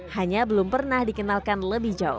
hanya belum pernah dikenalkan lebih jauh